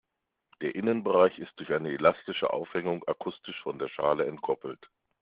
Der Innenbereich ist durch eine elastische Aufhängung akustisch von der Schale entkoppelt.